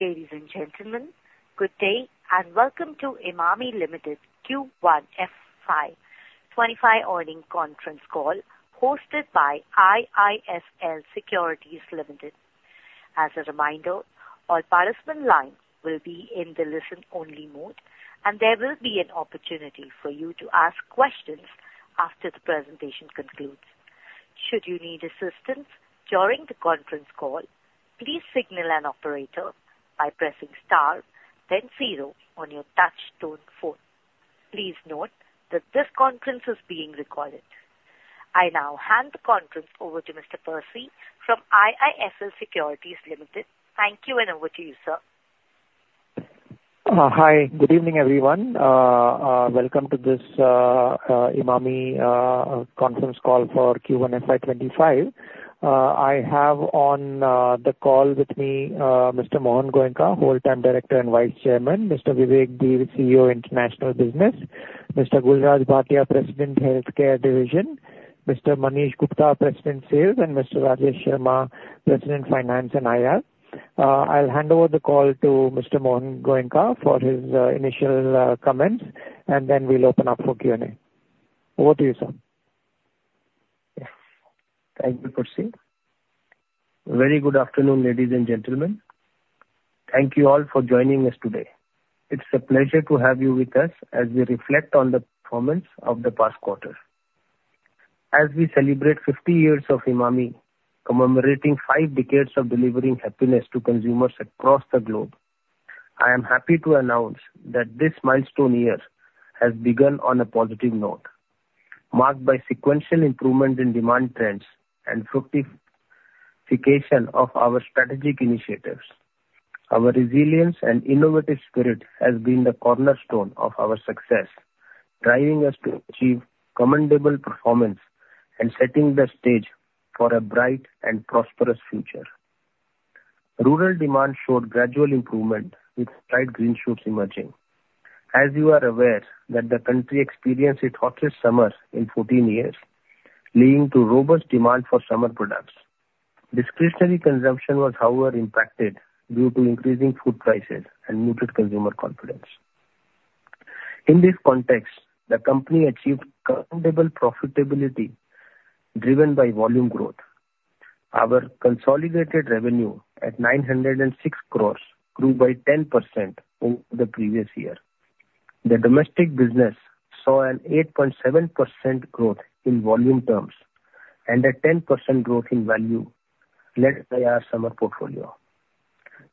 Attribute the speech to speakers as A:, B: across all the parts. A: Ladies and gentlemen, good day, and welcome to Emami Limited Q1 FY2025 earnings conference call, hosted by IIFL Securities Limited. As a reminder, all participant lines will be in the listen-only mode, and there will be an opportunity for you to ask questions after the presentation concludes. Should you need assistance during the conference call, please signal an operator by pressing star, then zero on your touch tone phone. Please note that this conference is being recorded. I now hand the conference over to Mr. Percy from IIFL Securities Limited. Thank you, and over to you, sir.
B: Hi, good evening, everyone. Welcome to this Emami conference call for Q1 FY25. I have on the call with me Mr. Mohan Goenka, Whole-Time Director and Vice Chairman, Mr. Vivek Dhir, CEO, International Business, Mr. Gulraj Bhatia, President, Healthcare Division, Mr. Manish Gupta, President, Sales, and Mr. Rajesh Sharma, President, Finance and IR. I'll hand over the call to Mr. Mohan Goenka for his initial comments, and then we'll open up for Q&A. Over to you, sir.
C: Thank you, Percy. Very good afternoon, ladies and gentlemen. Thank you all for joining us today. It's a pleasure to have you with us as we reflect on the performance of the past quarter. As we celebrate 50 years of Emami, commemorating 5 decades of delivering happiness to consumers across the globe, I am happy to announce that this milestone year has begun on a positive note, marked by sequential improvement in demand trends and fructification of our strategic initiatives. Our resilience and innovative spirit has been the cornerstone of our success, driving us to achieve commendable performance and setting the stage for a bright and prosperous future. Rural demand showed gradual improvement, with slight green shoots emerging. As you are aware, that the country experienced its hottest summer in 14 years, leading to robust demand for summer products. Discretionary consumption was however impacted due to increasing food prices and muted consumer confidence. In this context, the company achieved commendable profitability driven by volume growth. Our consolidated revenue at 906 crore grew by 10% over the previous year. The domestic business saw an 8.7% growth in volume terms and a 10% growth in value, led by our summer portfolio.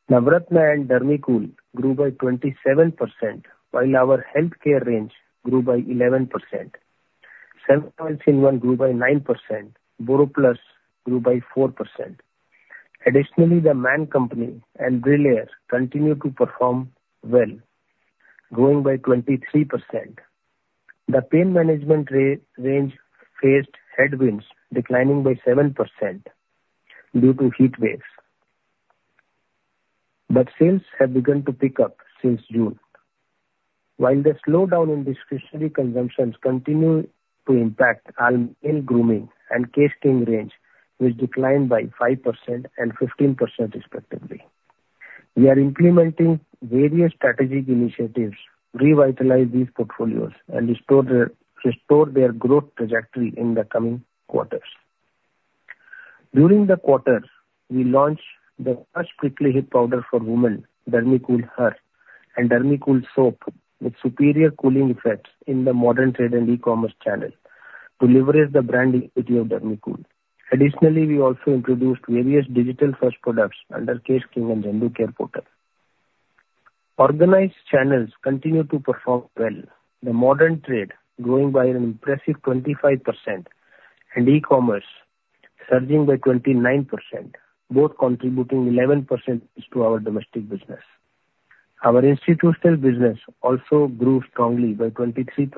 C: Navratna and Dermicool grew by 27%, while our healthcare range grew by 11%. 7 Oils in One grew by 9%, BoroPlus grew by 4%. Additionally, The Man Company and Brillare continue to perform well, growing by 23%. The pain management range faced headwinds, declining by 7% due to heatwaves. But sales have begun to pick up since June. While the slowdown in discretionary consumptions continue to impact our hair grooming and Kesh King range, which declined by 5% and 15% respectively. We are implementing various strategic initiatives to revitalize these portfolios and restore their growth trajectory in the coming quarters. During the quarter, we launched the first prickly heat powder for women, Dermicool for Her and Dermicool soap, with superior cooling effects in the modern trade and e-commerce channel to leverage the brand equity of Dermicool. Additionally, we also introduced various digital-first products under Kesh King and ZanduCare portal. Organized channels continue to perform well, the modern trade growing by an impressive 25% and e-commerce surging by 29%, both contributing 11% to our domestic business. Our institutional business also grew strongly by 23%,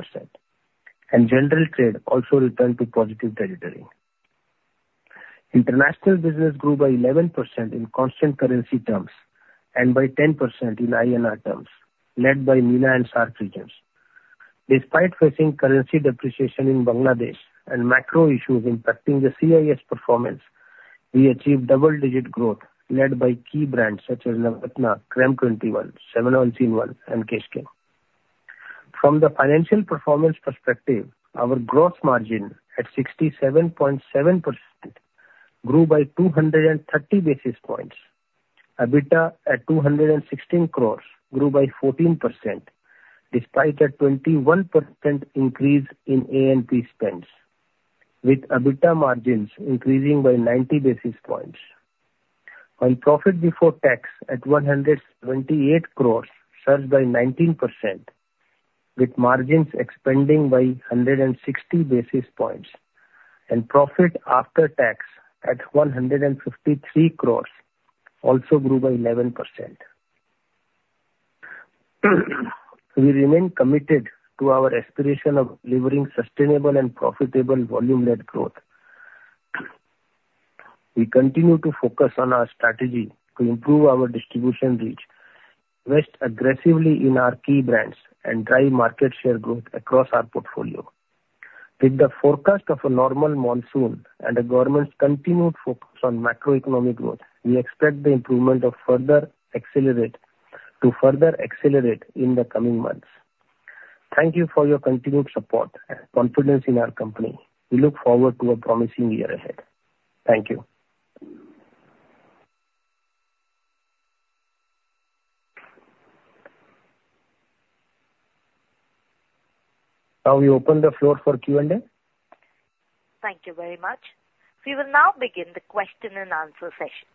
C: and general trade also returned to positive territory. International business grew by 11% in constant currency terms and by 10% in INR terms, led by MENA and SAARC regions. Despite facing currency depreciation in Bangladesh and macro issues impacting the CIS performance, we achieved double-digit growth led by key brands such as Navratna, Crème 21, 7 Oils in one, and Kesh Skin. From the financial performance perspective, our gross margin at 67.7% grew by 230 basis points. EBITDA at 216 crores grew by 14%, despite a 21% increase in A&P spends, with EBITDA margins increasing by 90 basis points. While profit before tax at 178 crores surged by 19%, with margins expanding by 160 basis points, and profit after tax at 153 crores also grew by 11%. We remain committed to our aspiration of delivering sustainable and profitable volume-led growth. We continue to focus on our strategy to improve our distribution reach, invest aggressively in our key brands, and drive market share growth across our portfolio. With the forecast of a normal monsoon and the government's continued focus on macroeconomic growth, we expect the improvement to further accelerate in the coming months. Thank you for your continued support and confidence in our company. We look forward to a promising year ahead. Thank you. Now we open the floor for Q&A.
A: Thank you very much. We will now begin the question and answer session.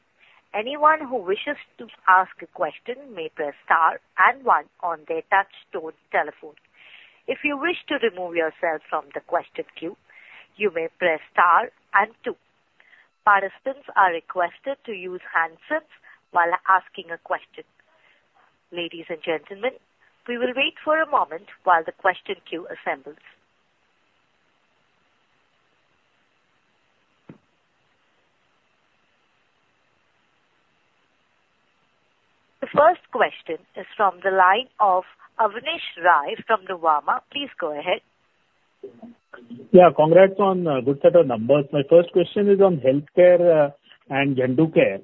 A: Anyone who wishes to ask a question may press star and one on their touchtone telephone. If you wish to remove yourself from the question queue, you may press star and two. Participants are requested to use handsets while asking a question. Ladies and gentlemen, we will wait for a moment while the question queue assembles. The first question is from the line of Abneesh Roy from Nuvama. Please go ahead.
D: Yeah, congrats on a good set of numbers. My first question is on healthcare, and Zandu Care.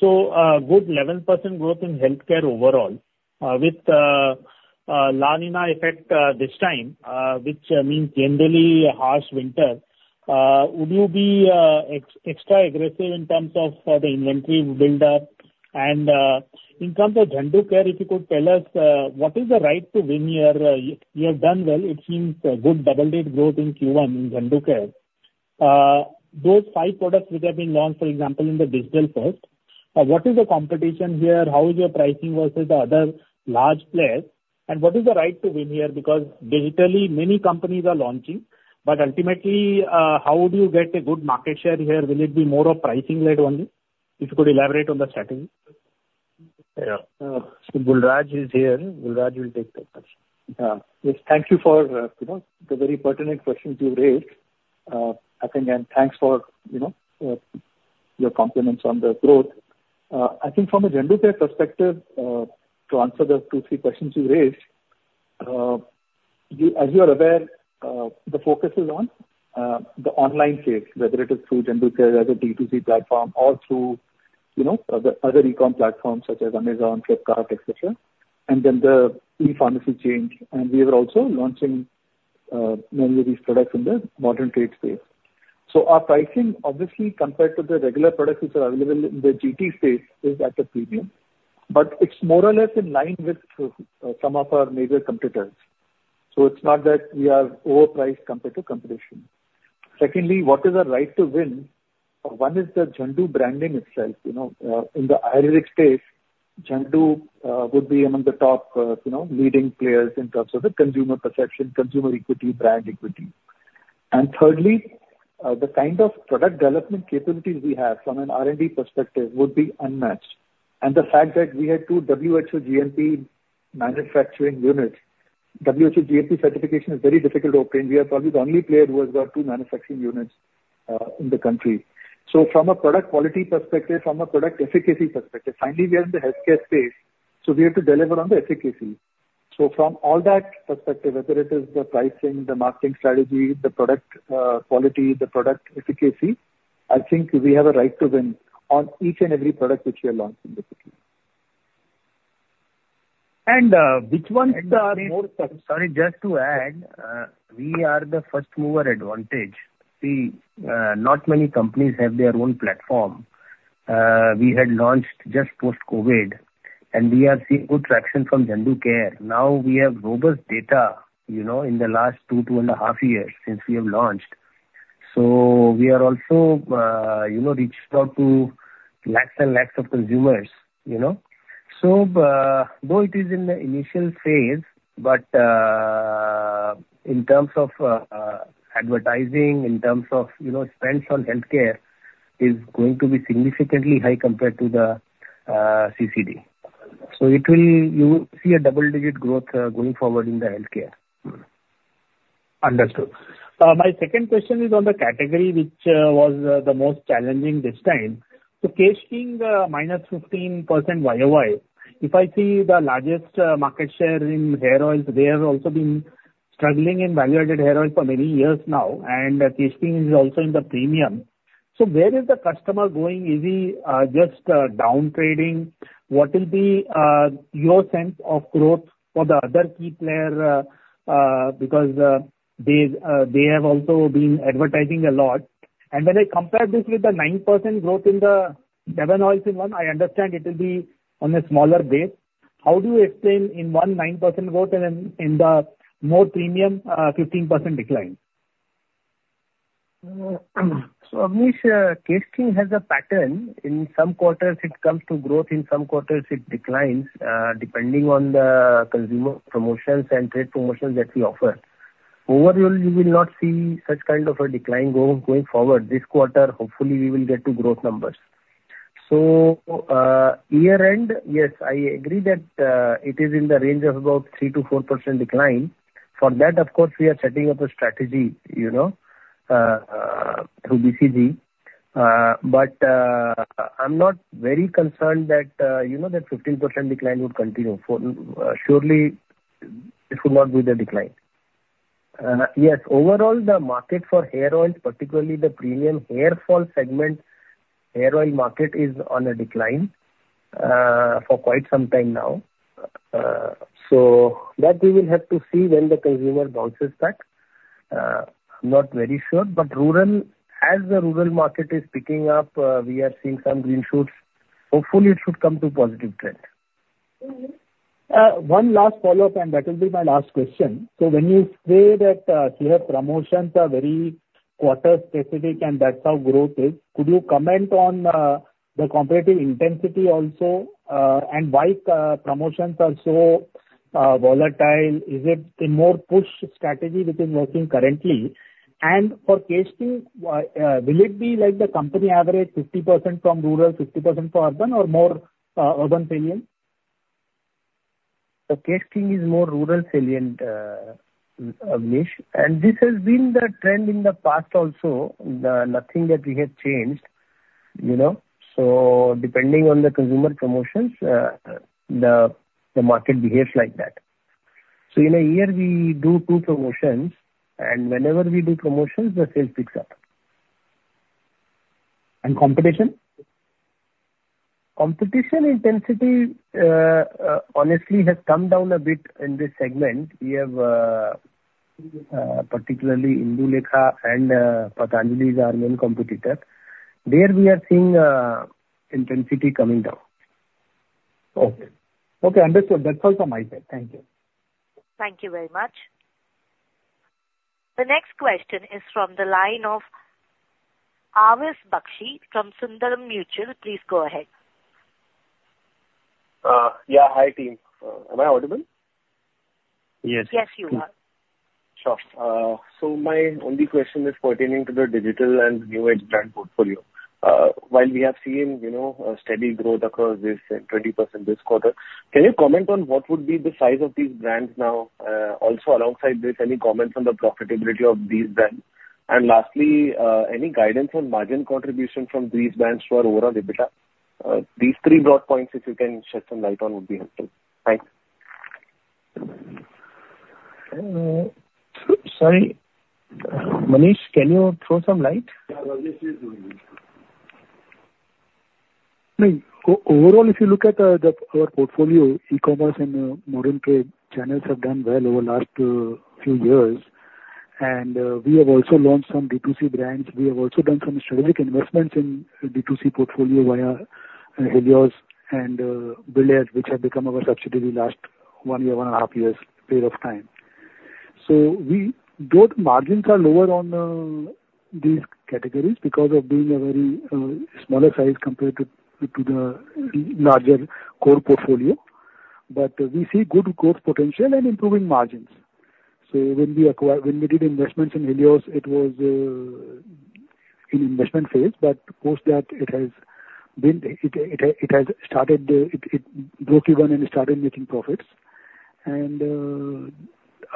D: So, a good 11% growth in healthcare overall, with the La Niña effect this time, which means generally a harsh winter. Would you be extra aggressive in terms of for the inventory build-up? In terms of Zandu Care, if you could tell us what is the right to win here? You have done well. It seems a good double-digit growth in Q1 in Zandu Care. Those 5 products which have been launched, for example, in the digital-first, what is the competition here? How is your pricing versus the other large players, and what is the right to win here? Because digitally, many companies are launching, but ultimately, how do you get a good market share here? Will it be more of pricing led only? If you could elaborate on the strategy.
C: Yeah. So Gul Raj is here. Gul Raj will take that question.
E: Yes. Thank you for, you know, the very pertinent questions you raised. I think, and thanks for, you know, your compliments on the growth. I think from a ZanduCare perspective, to answer the two, three questions you raised, you, as you are aware, the focus is on the online space, whether it is through ZanduCare as a D2C platform or through, you know, other, other e-com platforms such as Amazon, Flipkart, et cetera, and then the e-pharmacy chain. We are also launching many of these products in the modern trade space. So our pricing obviously compared to the regular products which are available in the GT space is at a premium, but it's more or less in line with some of our major competitors. It's not that we are overpriced compared to competition. Secondly, what is our right to win? One is the Zandu branding itself. You know, in the Ayurvedic space, Zandu, would be among the top, you know, leading players in terms of the consumer perception, consumer equity, brand equity. And thirdly, the kind of product development capabilities we have from an R&D perspective would be unmatched. And the fact that we had two WHO GMP manufacturing units. WHO GMP certification is very difficult to obtain. We are probably the only player who has got two manufacturing units, in the country. So from a product quality perspective, from a product efficacy perspective, finally, we are in the healthcare space, so we have to deliver on the efficacy. From all that perspective, whether it is the pricing, the marketing strategy, the product quality, the product efficacy, I think we have a right to win on each and every product which we are launching with it.
D: Which ones are more-
C: Sorry, just to add, we are the first mover advantage. See, not many companies have their own platform. We had launched just post-COVID, and we are seeing good traction from Zandu Care. Now, we have robust data, you know, in the last 2, 2.5 years since we have launched. So we are also, you know, reached out to lakhs and lakhs of consumers, you know? So, though it is in the initial phase, but, in terms of, advertising, in terms of, you know, spends on healthcare, is going to be significantly high compared to the CAC. So it will, you will see a double-digit growth, going forward in the healthcare.
D: Understood. My second question is on the category, which was the most challenging this time. So Kesh King, -15% YoY. If I see the largest market share in hair oils, they have also been struggling in value-added hair oils for many years now, and Kesh King is also in the premium. So where is the customer going? Is he just downtrading? What will be your sense of growth for the other key player? Because they have also been advertising a lot. And when I compare this with the 9% growth in the 7 Oils-in-One, I understand it will be on a smaller base. How do you explain in the 7 Oils-in-One 9% growth, and then in the more premium 15% decline?
E: So Abneesh, Kesh King has a pattern. In some quarters it comes to growth, in some quarters it declines, depending on the consumer promotions and trade promotions that we offer. Overall, you will not see such kind of a decline going forward. This quarter, hopefully, we will get to growth numbers. So, year-end, yes, I agree that it is in the range of about 3%-4% decline. For that, of course, we are setting up a strategy, you know, through BCG. But, I'm not very concerned that, you know, that 15% decline would continue. For, surely it would not be the decline. Yes, overall, the market for hair oils, particularly the premium hair fall segment, hair oil market is on a decline, for quite some time now. So that we will have to see when the consumer bounces back. I'm not very sure, but rural, as the rural market is picking up, we are seeing some green shoots. Hopefully, it should come to positive trend.
D: One last follow-up, and that will be my last question. So when you say that, you have promotions are very quarter specific and that's how growth is, could you comment on, the competitive intensity also, and why, promotions are so, volatile? Is it a more push strategy which is working currently? And for Kesh King, will it be like the company average 50% from rural, 50% for urban or more, urban salient?
C: The Kesh King is more rural salient, Abneesh, and this has been the trend in the past also. Nothing that we have changed, you know. So depending on the consumer promotions, the market behaves like that. So in a year we do two promotions, and whenever we do promotions, the sales picks up.
D: And competition?
C: Competition intensity, honestly, has come down a bit in this segment. We have, particularly Indulekha and, Patanjali is our main competitor. There we are seeing, intensity coming down.
D: Okay. Okay, understood. That's all from my side. Thank you.
A: Thank you very much. The next question is from the line of Awais Bakshi from Sundaram Mutual. Please go ahead.
F: Yeah, hi, team. Am I audible?
C: Yes.
A: Yes, you are.
F: Sure. My only question is pertaining to the digital and new age brand portfolio. While we have seen, you know, a steady growth across this 20% this quarter, can you comment on what would be the size of these brands now? Also, alongside this, any comments on the profitability of these brands? And lastly, any guidance on margin contribution from these brands to our overall EBITDA? These three broad points, if you can shed some light on, would be helpful. Thanks.
C: Sorry, Manish, can you throw some light?
G: Yeah, obviously. I mean, overall, if you look at our portfolio, e-commerce and modern trade channels have done well over the last few years, and we have also launched some D2C brands. We have also done some strategic investments in D2C portfolio via Helios and Brillare, which have become our subsidiary last 1 year, 1.5 years period of time. So we both margins are lower on these categories because of being a very smaller size compared to the larger core portfolio. But we see good growth potential and improving margins. So when we did investments in Helios, it was an investment phase, but post that it has been, it has started, it broke even and started making profits. And,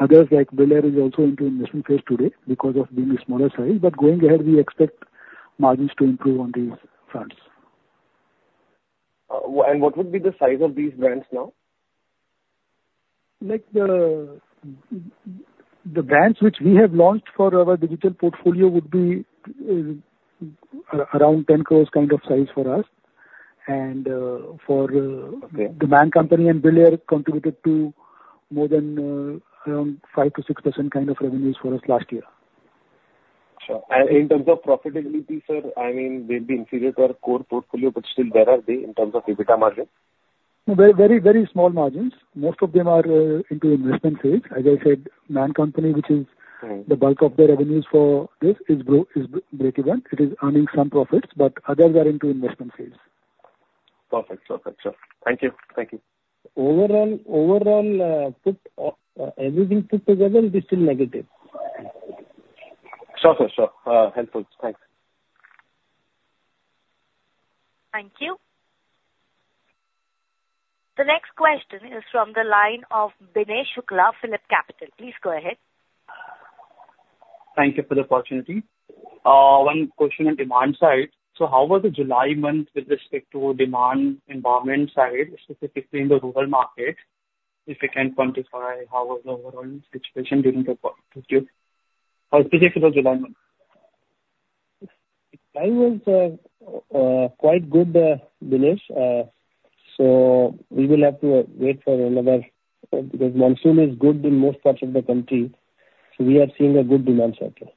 G: others, like Brillare, is also into investment phase today because of being a smaller size. But going ahead, we expect margins to improve on these fronts.
F: What would be the size of these brands now?
G: Like, the brands which we have launched for our digital portfolio would be around 10 crore kind of size for us. And for Okay. The brand company and Brillare contributed to more than around 5%-6% kind of revenues for us last year.
F: Sure. And in terms of profitability, sir, I mean, they'll be inferior to our core portfolio, but still where are they in terms of EBITDA margins?
G: Very, very small margins. Most of them are into investment phase. As I said, Man Company, which is the bulk of the revenues for this is breakeven. It is earning some profits, but others are into investment phase.
F: Perfect. Perfect, sir. Thank you. Thank you.
H: Overall, overall, everything put together, it is still negative.
F: Sure, sir, sure. Helpful. Thanks.
A: Thank you. The next question is from the line of Binay Shukla, PhillipCapital. Please go ahead.
I: Thank you for the opportunity. One question on demand side. So how was the July month with respect to demand environment side, specifically in the rural market? If you can quantify, how was the overall situation during the quarter? How specific was the demand?
C: July was quite good, Binay. So we will have to wait for another... Because monsoon is good in most parts of the country, so we are seeing a good demand cycle.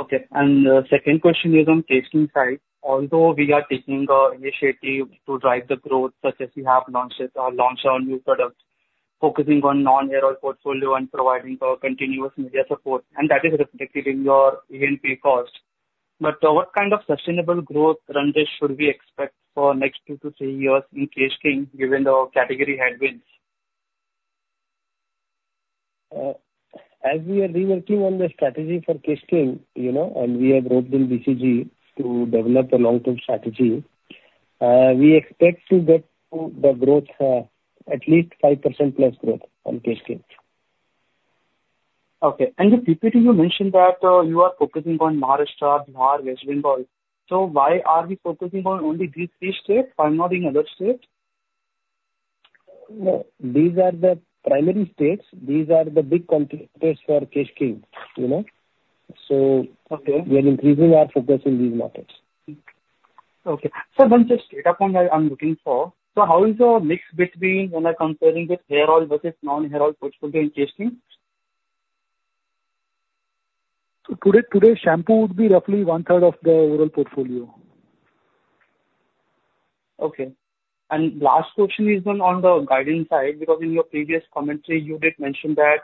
I: Okay. The second question is on Kesh King side. Although we are taking the initiative to drive the growth, such as we have launched our new products, focusing on non-hair oil portfolio and providing continuous media support, and that is reflected in your A&P cost. But what kind of sustainable growth trend should we expect for next two to three years in Kesh King, given the category headwinds?
C: As we are reworking on the strategy for K-Beauty, you know, and we have brought in BCG to develop a long-term strategy, we expect to get to the growth, at least 5%+ growth on K-Beauty.
I: Okay. And in the PPT, you mentioned that you are focusing on Maharashtra, Bihar, West Bengal. So why are we focusing on only these three states and not in other states?
C: No, these are the primary states. These are the big competitors for Kesh King, you know? So-
I: Okay.
C: We are increasing our focus in these markets.
I: Okay. So then, just data point I, I'm looking for, so how is your mix between when I'm comparing with hair oil versus non-hair oil portfolio in Kesh King?
C: Today, shampoo would be roughly one third of the overall portfolio.
I: Okay. Last question is then on the guidance side, because in your previous commentary, you did mention that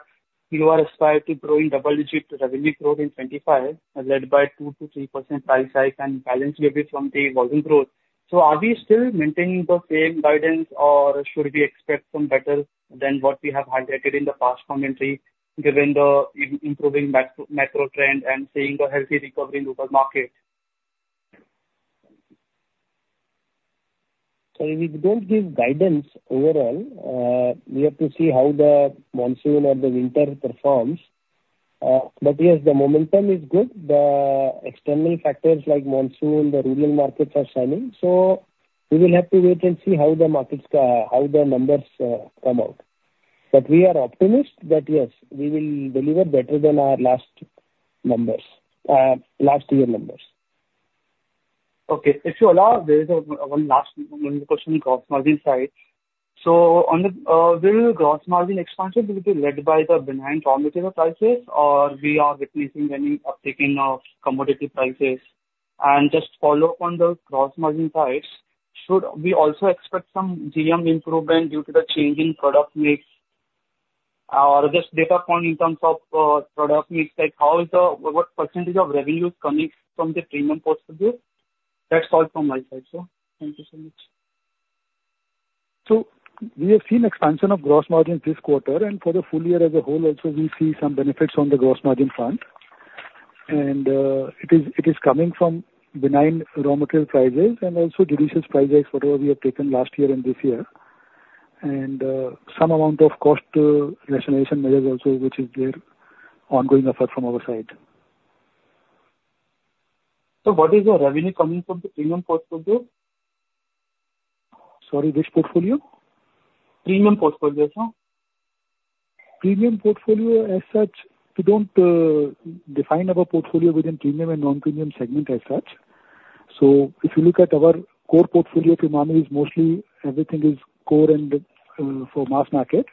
I: you are aspired to growing double-digit revenue growth in 2025, led by 2%-3% price hike and balance maybe from the volume growth. So are we still maintaining the same guidance, or should we expect some better than what we have highlighted in the past commentary, given the improving macro, macro trend and seeing the healthy recovery in local market?
C: So we don't give guidance overall. We have to see how the monsoon or the winter performs. But yes, the momentum is good. The external factors like monsoon, the rural markets are shining, so we will have to wait and see how the markets, how the numbers, come out. But we are optimistic that, yes, we will deliver better than our last numbers, last year numbers.
I: Okay. If you allow, there is a one last question on gross margin side. So on the, will gross margin expansion will be led by the benign raw material prices, or we are witnessing any uptick in our commodity prices? And just follow up on the gross margin sides, should we also expect some GM improvement due to the change in product mix? Or just data point in terms of product mix, like, how is the... What percentage of revenue is coming from the premium portfolio? That's all from my side, sir. Thank you so much.
C: So we have seen expansion of gross margins this quarter, and for the full year as a whole also, we see some benefits on the gross margin front. And, it is coming from benign raw material prices and also judicious price hikes, whatever we have taken last year and this year. And, some amount of cost rationalization measures also, which is there, ongoing effort from our side.
I: What is your revenue coming from the premium portfolio?
C: Sorry, which portfolio?
I: Premium portfolio, sir.
C: Premium portfolio, as such, we don't define our portfolio within premium and non-premium segment as such. So if you look at our core portfolio, primarily it's mostly everything is core and for mass market.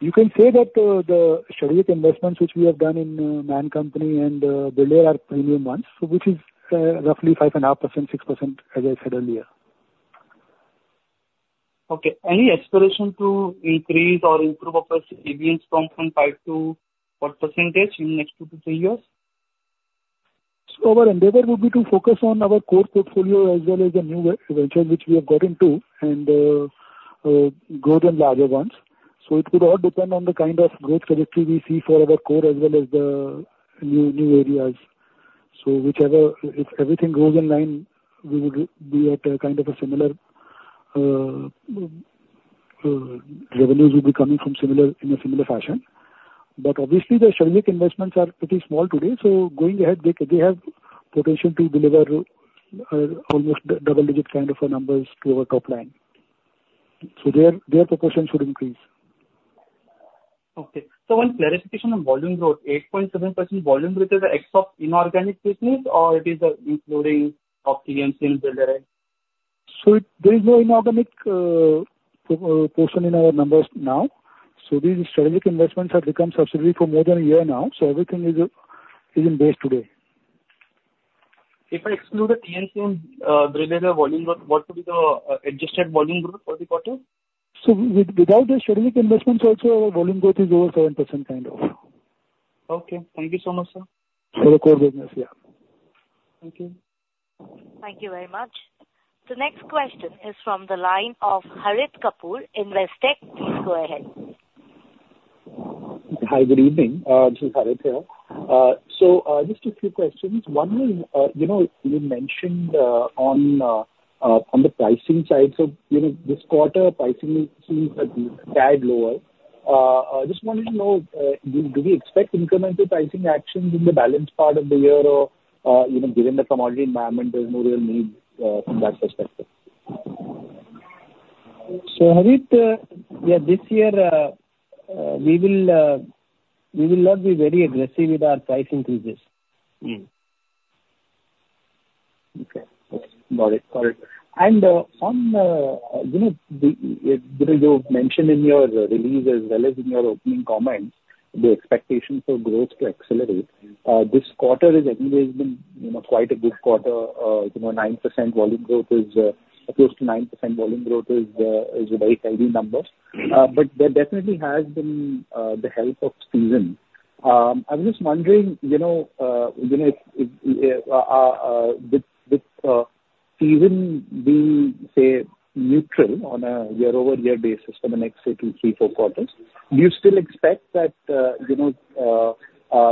C: You can say that the strategic investments which we have done in The Man Company and Brillare are premium ones, so which is roughly 5.5%-6%, as I said earlier.
I: Okay, any aspiration to increase or improve our premiums from five to what percentage in next two to three years?
C: So our endeavor would be to focus on our core portfolio as well as the new ventures which we have got into and grow the larger ones. So it could all depend on the kind of growth trajectory we see for our core as well as the new areas. So whichever, if everything goes in line, we will be at a kind of a similar revenues will be coming from similar, in a similar fashion. But obviously the strategic investments are pretty small today, so going ahead, they have potential to deliver almost double-digit kind of numbers to our top line. So their proportion should increase.
I: Okay. So one clarification on volume growth, 8.7% volume growth is ex of inorganic business or it is, including TMC and Brillare?
C: So there is no inorganic portion in our numbers now. So these strategic investments have become subsidiary for more than a year now, so everything is in base today.
I: If I exclude the item delivery volume growth, what will be the adjusted volume growth for the quarter?
C: Without the strategic investments also, our volume growth is over 7% kind of.
I: Okay. Thank you so much, sir.
C: For the core business, yeah.
I: Thank you.
A: Thank you very much. The next question is from the line of Harit Kapoor, Investec. Please go ahead.
J: Hi, good evening, this is Harit here. So, just a few questions. One is, you know, you mentioned, on, on the pricing side. So, you know, this quarter pricing seems a tad lower. I just wanted to know, do we expect incremental pricing actions in the balance part of the year or, you know, given the commodity environment, there's no real need, from that perspective?
C: So, Harit, yeah, this year, we will, we will not be very aggressive with our price increases.
J: Mm. Okay. Got it. Got it.
K: On, you know, the, you know, you mentioned in your release as well as in your opening comments, the expectations for growth to accelerate. This quarter has actually been, you know, quite a good quarter. You know, 9% volume growth is close to 9% volume growth is a very healthy number. Mm-hmm. But there definitely has been the help of season. I'm just wondering, you know, you know, with season being, say, neutral on a year-over-year basis for the next two, three, four quarters, do you still expect that, you know,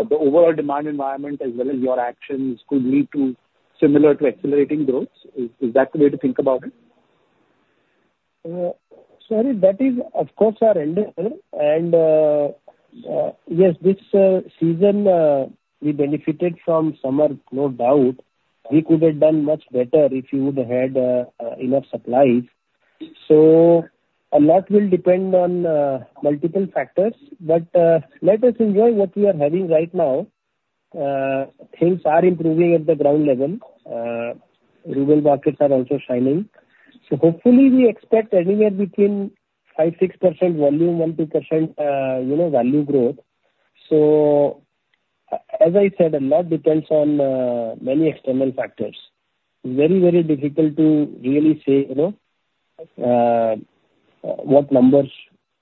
K: the overall demand environment as well as your actions could lead to similar to accelerating growth? Is that the way to think about it?
C: Sorry, that is, of course, our endeavor, and yes, this season we benefited from summer, no doubt. We could have done much better if we would have had enough supplies. So a lot will depend on multiple factors, but let us enjoy what we are having right now. Things are improving at the ground level. Rural markets are also shining. So hopefully we expect anywhere between 5%-6% volume, 1%-2% you know, value growth. So as I said, a lot depends on many external factors. Very, very difficult to really say, you know, what numbers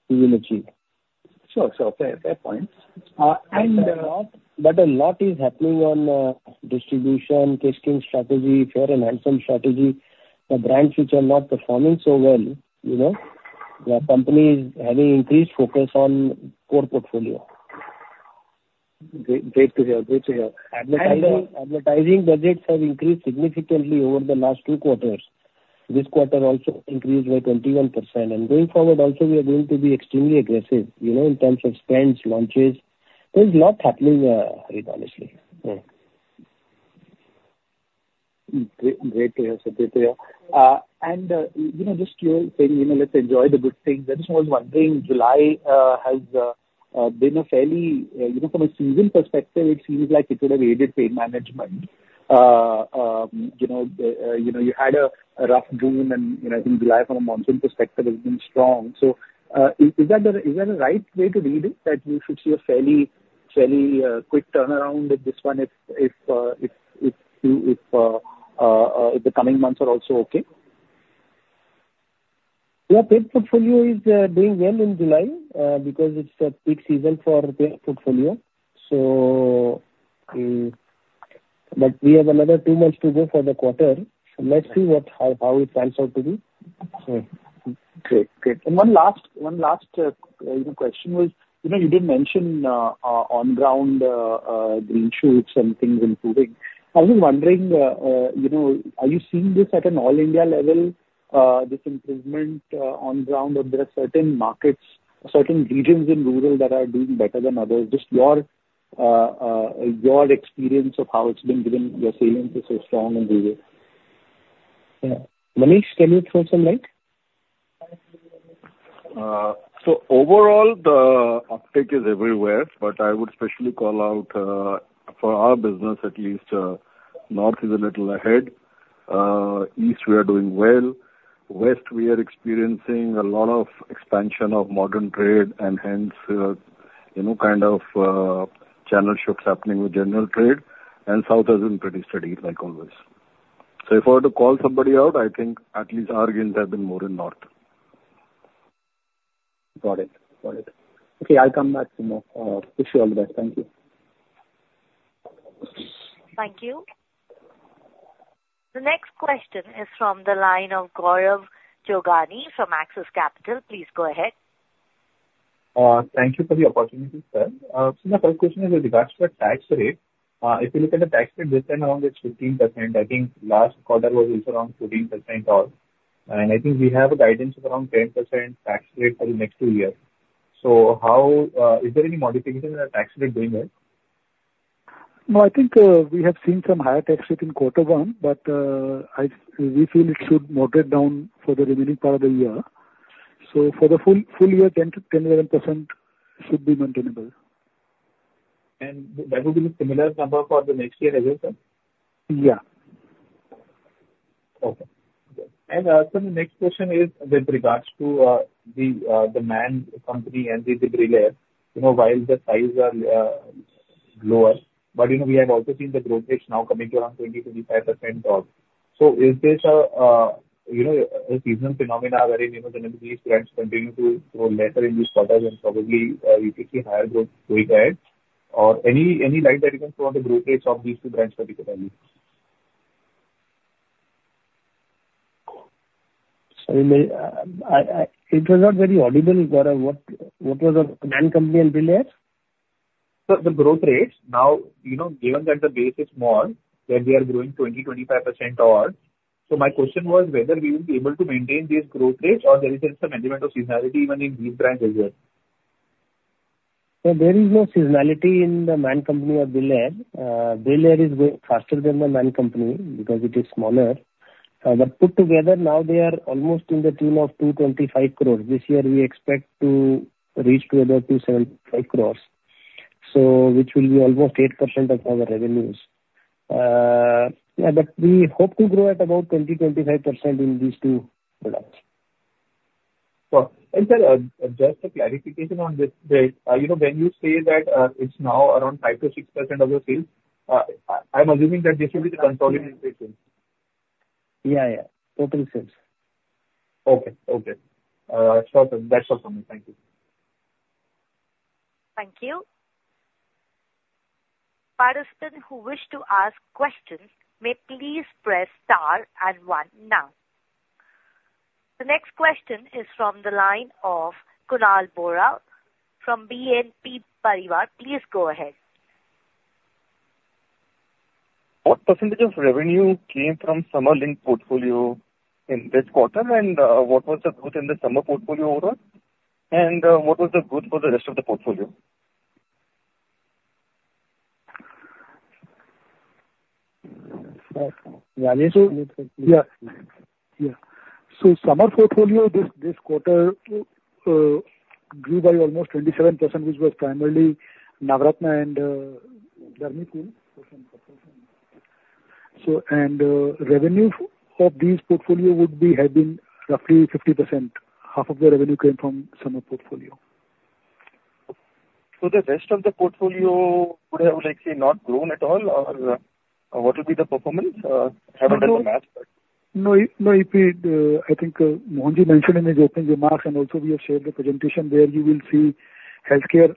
C: we will achieve.
H: Sure, sure. Fair, fair point.
C: But a lot is happening on distribution, casing strategy, Fair & Handsome strategy. The brands which are not performing so well, you know, the company is having increased focus on core portfolio.
J: Great, great to hear. Great to hear.
C: Advertising budgets have increased significantly over the last two quarters. This quarter also increased by 21%, and going forward also we are going to be extremely aggressive, you know, in terms of spends, launches. There is a lot happening right now, honestly.
J: Mm-hmm. Great, great to hear. So great to hear. And, you know, just you saying, you know, let's enjoy the good things. I just was wondering, July has been a fairly, you know, from a season perspective, it seems like it would have aided pain management. You know, you know, you had a rough June, and, you know, I think July from a monsoon perspective has been strong. So, is, is that the, is that a right way to read it, that you should see a fairly, fairly quick turnaround with this one if, if, if, if, if the coming months are also okay?
C: Yeah, paid portfolio is doing well in July because it's a peak season for paid portfolio. But we have another two months to go for the quarter. So let's see what, how, how it turns out to be.
J: Okay. Great. Great. And one last, you know, question was, you know, you did mention on ground green shoots and things improving. I was wondering, you know, are you seeing this at an all India level, this improvement on ground, or there are certain markets, certain regions in rural that are doing better than others? Just your experience of how it's been, given your sales is so strong in rural.
C: Yeah. Manish, can you throw some light?
K: So overall, the uptick is everywhere, but I would specially call out, for our business at least, north is a little ahead. East, we are doing well. West, we are experiencing a lot of expansion of modern trade, and hence, you know, kind of, channel shifts happening with general trade, and south has been pretty steady, like always. So if I were to call somebody out, I think at least our gains have been more in north.
J: Got it. Got it. Okay, I'll come back to you more. Wish you all the best. Thank you.
A: Thank you. The next question is from the line of Gaurav Jogani from Axis Capital. Please go ahead.
L: Thank you for the opportunity, sir. So my first question is with regards to the tax rate. If you look at the tax rate, this time around it's 15%. I think last quarter was also around 14% or... And I think we have a guidance of around 10% tax rate for the next two years. So how is there any modification in our tax rate going ahead?
C: No, I think, we have seen some higher tax rate in quarter one, but, I, we feel it should moderate down for the remaining part of the year. So for the full, full year, 10%-10.1% should be maintainable.
L: That would be the similar number for the next year as well, sir?
C: Yeah.
L: Okay. So the next question is with regards to The Man Company and Brillare. You know, while the sales are lower, but, you know, we have also seen the growth rates now coming to around 20, 25% or... So is this a seasonal phenomenon, where, you know, these brands continue to grow lesser in these quarters and probably we could see higher growth going ahead? Or any light that you can throw on the growth rates of these two brands particularly?
C: So, it was not very audible, Gaurav. What was The Man Company and Brillare? The growth rates. Now, you know, given that the base is small, that they are growing 20-25% or... My question was whether we will be able to maintain these growth rates, or there is some element of seasonality even in these brands as well?
M: So there is no seasonality in The Man Company or Brillare. Brillare is growing faster than The Man Company because it is smaller. But put together, now they are almost in the tune of 225 crore. This year we expect to reach together to 75 crore, so which will be almost 8% of our revenues. Yeah, but we hope to grow at about 20%-25% in these two products.
L: Sir, just a clarification on this bit. You know, when you say that, it's now around 5%-6% of your sales, I'm assuming that this will be the consolidated sales?
C: Yeah, yeah. Total sales.
L: Okay. Okay. That's all. That's all for me. Thank you.
A: Thank you. Parties who wish to ask questions may please press star and one now. The next question is from the line of Kunal Vora from BNP Paribas. Please go ahead.
N: What percentage of revenue came from summer link portfolio in this quarter? And what was the growth in the summer portfolio overall? And what was the growth for the rest of the portfolio?
C: Yeah. Yeah. So summer portfolio this, this quarter, grew by almost 27%, which was primarily Navratna and, Dermicool. So, and, revenue for these portfolio would be have been roughly 50%. Half of the revenue came from summer portfolio.
N: So the rest of the portfolio would have likely not grown at all, or what would be the performance, haven't done the math but-
C: No, no, it did. I think, Mohanji mentioned in his opening remarks, and also we have shared the presentation there you will see healthcare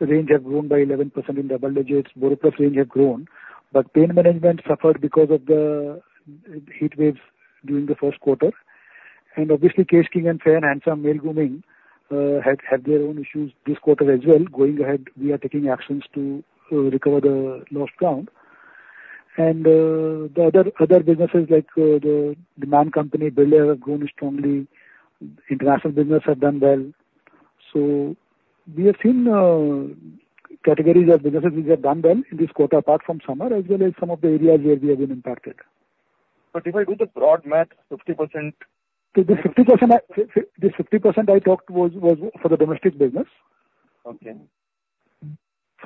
C: range have grown by 11% in double digits. BoroPlus range have grown, but pain management suffered because of the heat waves during the first quarter. And obviously, Kesh King and Fair & Handsome male grooming had, had their own issues this quarter as well. Going ahead, we are taking actions to recover the lost ground. And the other, other businesses like the Man Company, Brillare, have grown strongly, international business have done well. So we have seen categories of businesses which have done well in this quarter, apart from summer, as well as some of the areas where we have been impacted.
N: But if I do the broad math, 50%-
C: So the 50% I talked was, was for the domestic business.
N: Okay.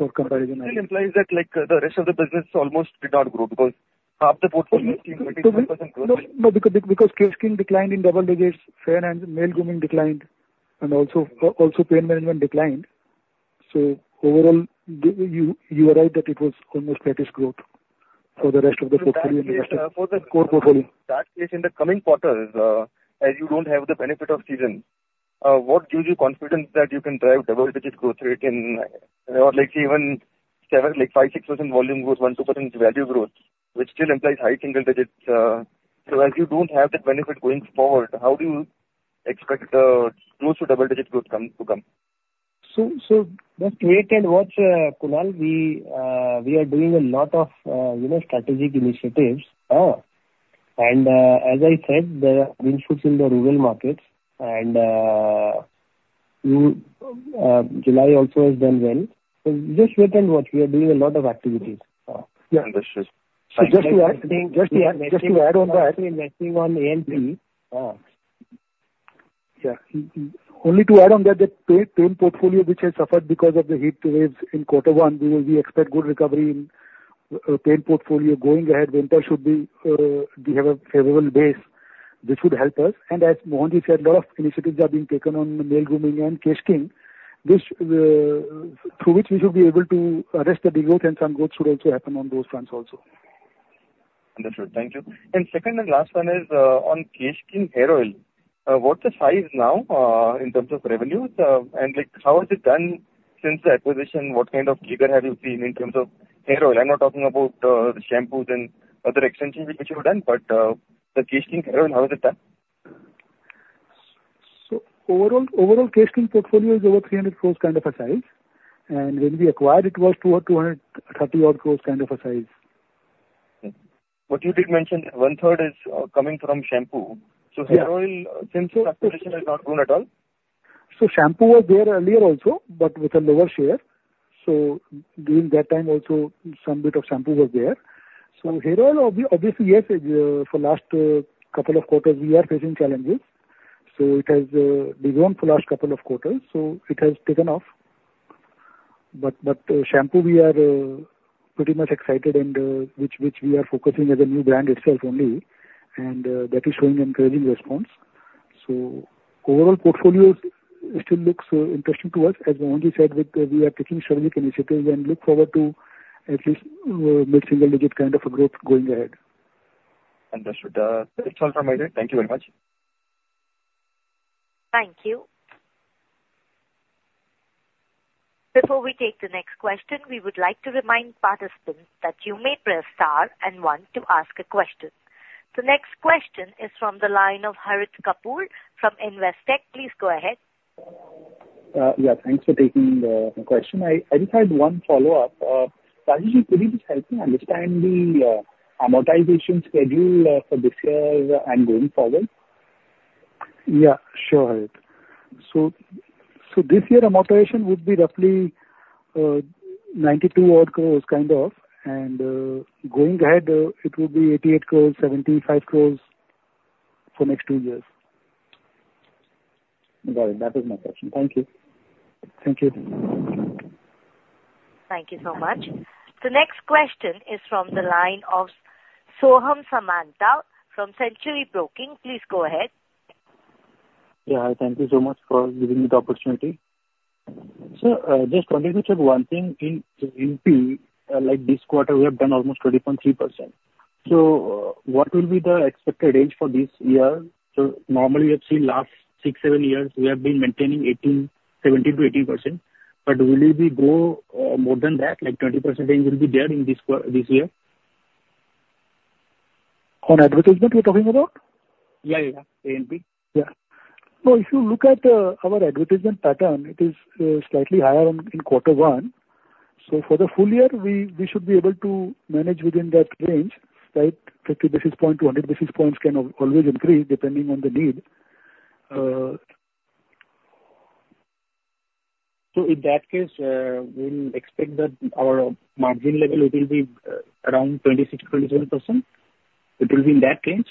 N: It implies that, like, the rest of the business almost did not grow, because half the portfolio-
C: No, because Kesh King declined in double digits, Fair & Handsome declined, and also Pain Management declined. So overall, you are right that it was almost flat-ish growth for the rest of the portfolio, core portfolio.
O: that case in the coming quarters, as you don't have the benefit of season, what gives you confidence that you can drive double-digit growth rate in, or like even 7, like 5, 6% volume growth, 1, 2% value growth, which still implies high single digits? So as you don't have that benefit going forward, how do you expect close to double-digit growth to come?
C: So just wait and watch, Kunal. We are doing a lot of, you know, strategic initiatives. And as I said, there are green shoots in the rural markets, and July also has done well. So just wait and watch. We are doing a lot of activities. Yeah.
N: Understood.
H: So just to add on that.
C: Meeting on A&P.
K: Yeah. Only to add on that, the pain portfolio, which has suffered because of the heat waves in quarter one, we expect good recovery in pain portfolio. Going ahead, winter should be; we have a favorable base. This would help us. And as Mohanji said, a lot of initiatives are being taken on male grooming and Kesh King. This through which we should be able to arrest the downturn, and some growth should also happen on those fronts also.
N: Understood. Thank you. And second and last one is on Kesh King hair oil. What's the size now in terms of revenues? And, like, how has it done since the acquisition, what kind of rigor have you seen in terms of hair oil? I'm not talking about the shampoos and other extensions which you have done, but the Kesh King hair oil, how has it done?
K: So overall, overall, Kesh King portfolio is over 300 crore kind of a size, and when we acquired it, it was 200, 200 and 30-odd crore kind of a size.
N: But you did mention one-third is coming from shampoo.
C: Yeah.
E: So hair oil, since acquisition has not grown at all?
C: So shampoo was there earlier also, but with a lower share. So during that time also, some bit of shampoo was there. So hair oil, obviously, yes, for last couple of quarters, we are facing challenges. So it has grown for last couple of quarters, so it has taken off. But shampoo, we are pretty much excited and which we are focusing as a new brand itself only, and that is showing encouraging response. So overall portfolios still looks interesting to us. As Mohanji said, with we are taking strategic initiatives and look forward to at least mid-single digit kind of a growth going ahead.
N: Understood. That's all from my end. Thank you very much.
A: Thank you. Before we take the next question, we would like to remind participants that you may press star and one to ask a question. The next question is from the line of Harit Kapoor from Investec. Please go ahead.
J: Yeah, thanks for taking the question. I just had one follow-up. Rajeev, could you just help me understand the amortization schedule for this year and going forward?
P: Yeah, sure, Harit. This year, amortization would be roughly 92 odd crores, kind of. Going ahead, it would be 88 crores, 75 crores for next two years.
C: Got it. That was my question. Thank you. Thank you.
A: Thank you so much. The next question is from the line of Soham Samanta from Centrum Broking. Please go ahead.
Q: Yeah. Hi, thank you so much for giving me the opportunity. So, just wanted to check one thing in MP, like this quarter, we have done almost 20.3%. So, what will be the expected range for this year? So normally, we have seen last six, seven years, we have been maintaining 17%-18%. But will it be grow more than that, like 20% range will be there in this year?
C: On advertisement you're talking about?
Q: Yeah, yeah, A&P.
C: Yeah. So if you look at our advertisement pattern, it is slightly higher on in quarter one. So for the full year, we should be able to manage within that range, right? 50 basis points to 100 basis points can always increase depending on the need. So in that case, we'll expect that our margin level it will be, around 26%-27%? It will be in that range?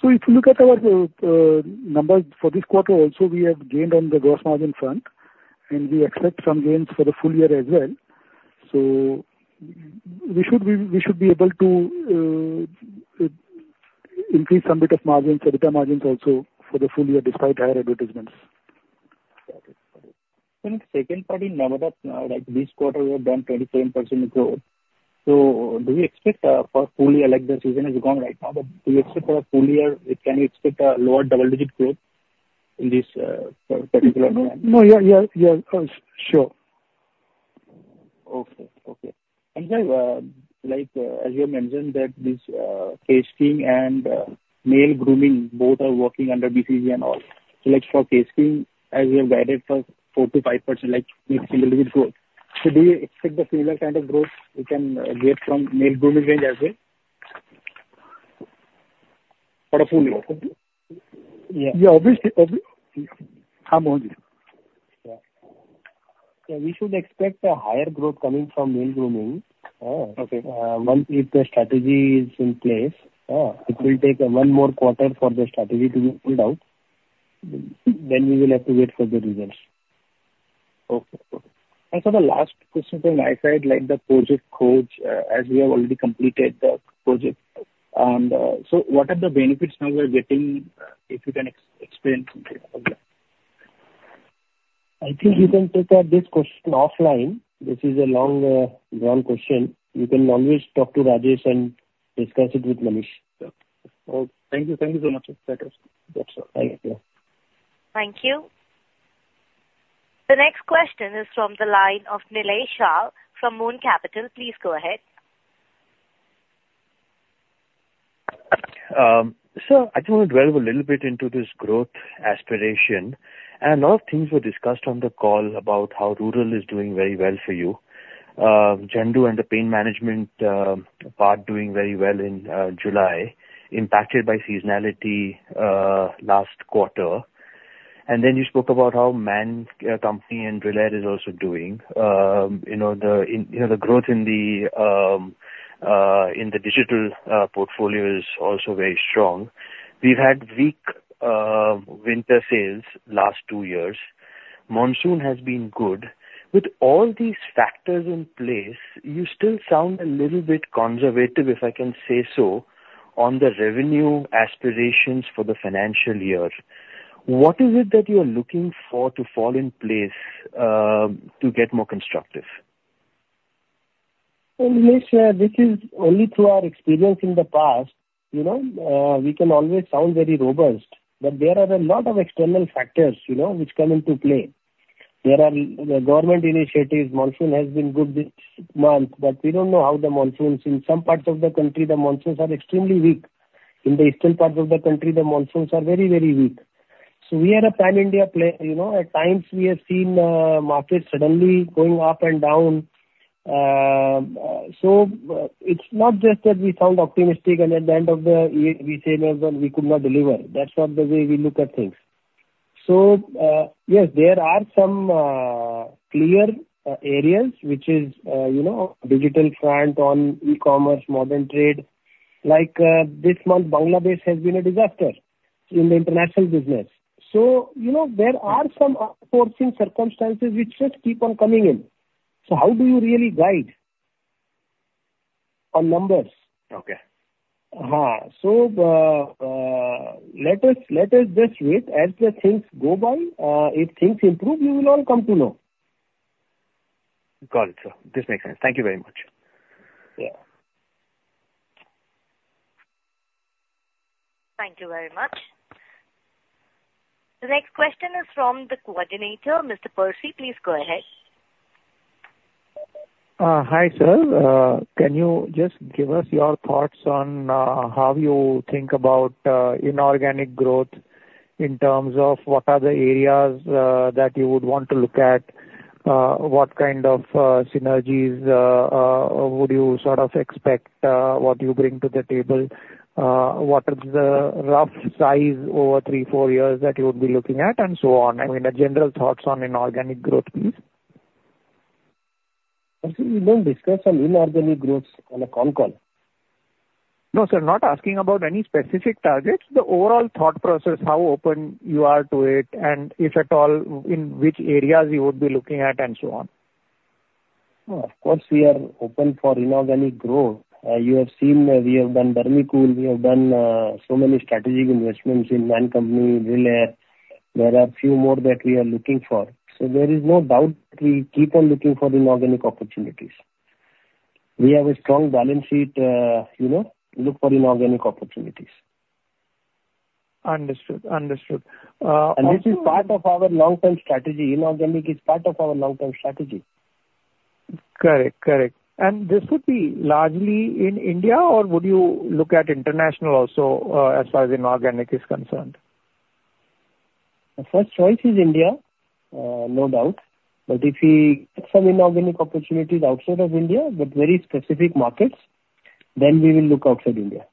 C: So if you look at our, numbers for this quarter also, we have gained on the gross margin front, and we expect some gains for the full year as well. So we should be, we should be able to, increase some bit of margins, EBITDA margins also for the full year, despite higher advertisements.
Q: Got it. In the second part, in Navratna, like this quarter, we have done 27% growth. So do you expect, for full year, like the season is gone right now, but do you expect for a full year, can you expect a lower double-digit growth in this, particular year?
C: No, yeah, yeah, yeah. Sure.
Q: Okay. Okay. Like, as you have mentioned that this, hair care and male grooming both are working under BCG and all. So like for hair care, as you have guided for 4%-5%, like similarly with growth, so do you expect the similar kind of growth you can get from male grooming range as well for the full year? Yeah. Yeah, obviously, more than.
C: Yeah. So we should expect a higher growth coming from male grooming. One, if the strategy is in place, it will take one more quarter for the strategy to be rolled out. Then we will have to wait for the results. Okay. Okay. And so the last question from my side, like the Project Khoj, as we have already completed the project, and so what are the benefits now we are getting, if you can explain something about that? I think you can take up this question offline. This is a long, drawn question. You can always talk to Rajesh and discuss it with Manish.
Q: Yeah. Oh, thank you. Thank you so much. That's better.
C: Yes, sir. Thank you.
A: Thank you. The next question is from the line of Nilesh Shah from Envision Capital. Please go ahead.
R: Sir, I just want to delve a little bit into this growth aspiration, and a lot of things were discussed on the call about how rural is doing very well for you. Zandu and the pain management part doing very well in July, impacted by seasonality last quarter. And then you spoke about how The Man Company and Brillare is also doing. You know, the growth in the digital portfolio is also very strong. We've had weak winter sales last two years. Monsoon has been good. With all these factors in place, you still sound a little bit conservative, if I can say so, on the revenue aspirations for the financial year. What is it that you are looking for to fall in place to get more constructive?
C: And Nilesh, this is only through our experience in the past, you know, we can always sound very robust, but there are a lot of external factors, you know, which come into play. There are government initiatives. Monsoon has been good this month, but we don't know how the monsoons... In some parts of the country, the monsoons are extremely weak. In the eastern parts of the country, the monsoons are very, very weak. So we are a pan-India player, you know. At times, we have seen markets suddenly going up and down. So, it's not just that we sound optimistic and at the end of the year, we say, "Well, we could not deliver." That's not the way we look at things. So, yes, there are some clear areas which is, you know, digital front on e-commerce, modern trade. Like, this month, Bangladesh has been a disaster in the international business. So, you know, there are some unforeseen circumstances which just keep on coming in. So how do you really guide on numbers?
R: Okay.
C: So, let us just wait as the things go by. If things improve, we will all come to know.
R: Got it, sir. This makes sense. Thank you very much.
C: Yeah.
A: Thank you very much. The next question is from the coordinator. Mr. Percy, please go ahead.
B: Hi, sir. Can you just give us your thoughts on how you think about inorganic growth in terms of what are the areas that you would want to look at? What kind of synergies would you sort of expect what you bring to the table? What is the rough size over three, four years that you would be looking at, and so on? I mean, the general thoughts on inorganic growth, please. Percy, we don't discuss on inorganic growths on a con call. No, sir, I'm not asking about any specific targets. The overall thought process, how open you are to it, and if at all, in which areas you would be looking at, and so on.
C: Of course, we are open for inorganic growth. You have seen, we have done Dermicool, we have done so many strategic investments in The Man Company, Brillare. There are a few more that we are looking for. So there is no doubt we keep on looking for inorganic opportunities. We have a strong balance sheet, you know, look for inorganic opportunities.
B: Understood. Understood.
H: This is part of our long-term strategy. Inorganic is part of our long-term strategy.
S: Correct. Correct. This would be largely in India, or would you look at international also, as far as inorganic is concerned?
K: The first choice is India, no doubt. But if we get some inorganic opportunities outside of India, but very specific markets, then we will look outside India.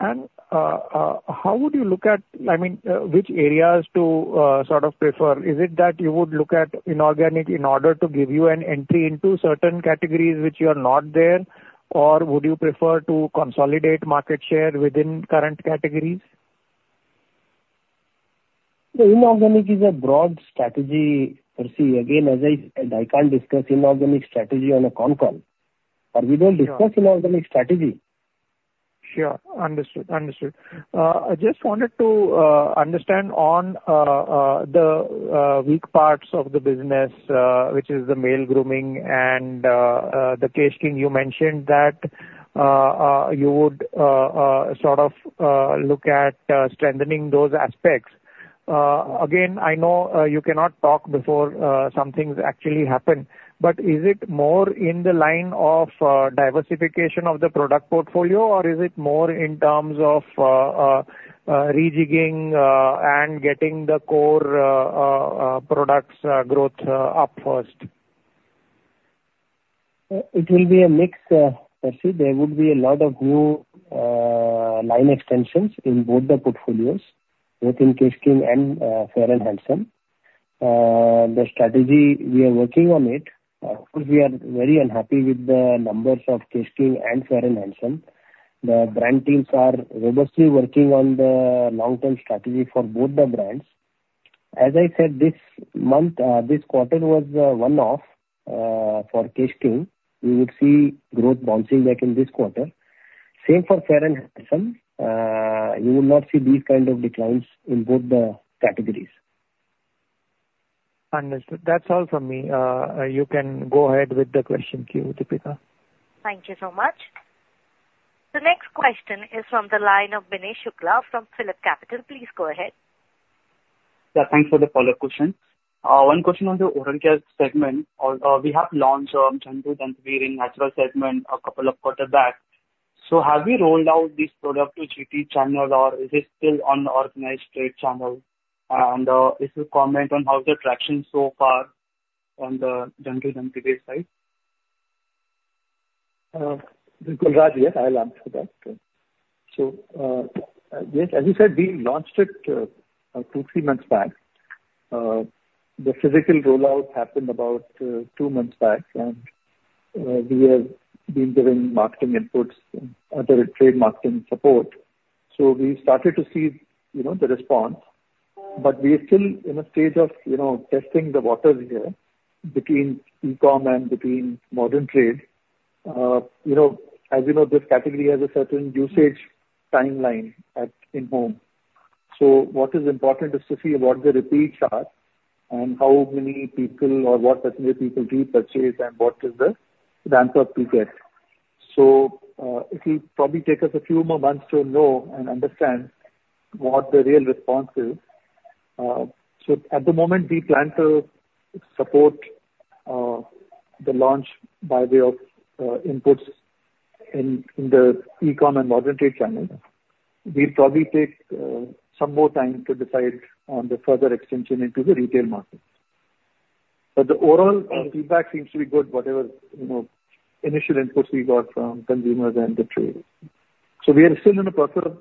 B: How would you look at, I mean, which areas to sort of prefer? Is it that you would look at inorganic in order to give you an entry into certain categories which you are not there, or would you prefer to consolidate market share within current categories?
C: The inorganic is a broad strategy, Percy. Again, as I said, I can't discuss inorganic strategy on a con call, but we will discuss inorganic strategy.
B: Sure, understood. Understood. I just wanted to understand on the weak parts of the business, which is the male grooming and the Kesh King. You mentioned that you would sort of look at strengthening those aspects. Again, I know you cannot talk before some things actually happen, but is it more in the line of diversification of the product portfolio, or is it more in terms of rejigging and getting the core products growth up first?
C: It will be a mix, Percy. There would be a lot of new line extensions in both the portfolios, both in Kesh King and Fair & Handsome. The strategy, we are working on it. Of course, we are very unhappy with the numbers of Kesh King and Fair & Handsome. The brand teams are rigorously working on the long-term strategy for both the brands. As I said, this month, this quarter was one-off for Kesh King. We would see growth bouncing back in this quarter. Same for Fair & Handsome. You will not see these kind of declines in both the categories.
B: Understood. That's all from me. You can go ahead with the question queue, Deepika.
A: Thank you so much. The next question is from the line of Binay Shukla from Phillip Capital. Please go ahead.
I: Yeah, thanks for the follow-up question. One question on the organic segment. We have launched Zandu Dandruff in natural segment a couple of quarters back. So have you rolled out this product to GT channel, or is it still on the modern trade channel? And, if you comment on how the traction so far on the Zandu Dandruff side.
C: Gul Raj, yes, I'll answer that. So, yes, as you said, we launched it 2-3 months back. The physical rollout happened about 2 months back, and we have been giving marketing inputs and other trade marketing support. So we started to see, you know, the response, but we are still in a stage of, you know, testing the waters here between e-com and between modern trade. You know, as you know, this category has a certain usage timeline at home. So what is important is to see what the repeats are and how many people or what category people repurchase and what is the answer we get. So, it'll probably take us a few more months to know and understand what the real response is. So at the moment, we plan to support the launch by way of inputs in the e-com and modern trade channel. We'll probably take some more time to decide on the further extension into the retail market. But the overall feedback seems to be good, whatever, you know, initial inputs we got from consumers and the trade. So we are still in the process of.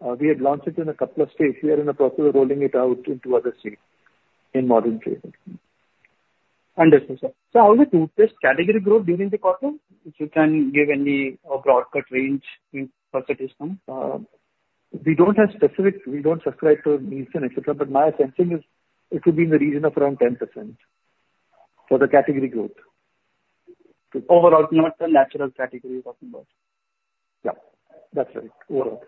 C: We had launched it in a couple of states. We are in the process of rolling it out into other states in modern trade.
I: Understood, sir. So how is the toothpaste category growth during the quarter? If you can give any, a broad cut range in percentage terms?
C: We don't have specific, we don't subscribe to Nielsen, et cetera, but my sensing is it could be in the region of around 10% for the category growth.
I: Overall, not the natural category you're talking about?
C: Yeah, that's right. Overall.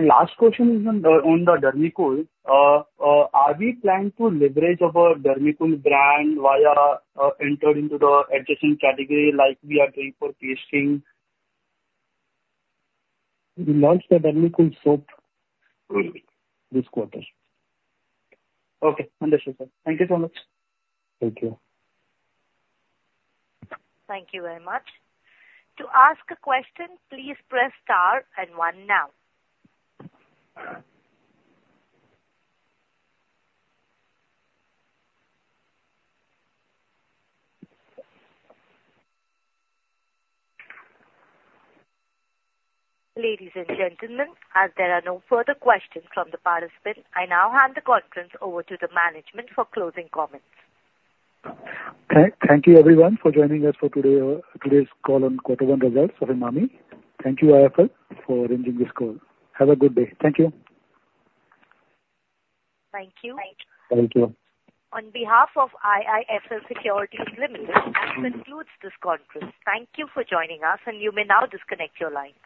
I: Last question is on the Dermicool. Are we planning to leverage our Dermicool brand via entering into the adjacent category, like we are doing for Kesh King?
C: We launched the Dermicool soap-
I: Really?
C: -this quarter.
I: Okay. Understood, sir. Thank you so much.
C: Thank you.
A: Thank you very much. To ask a question, please press star and one now. Ladies and gentlemen, as there are no further questions from the participant, I now hand the conference over to the management for closing comments.
C: Thank you everyone for joining us for today, today's call on quarter one results of Emami. Thank you, IIFL, for arranging this call. Have a good day. Thank you.
A: Thank you.
B: Thank you.
A: On behalf of IIFL Securities Limited, this concludes this conference. Thank you for joining us, and you may now disconnect your line.